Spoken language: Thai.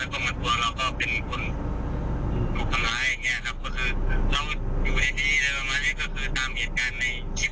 ก็คือหน้าบนเราด้วยเราไม่ได้ไปทำไว้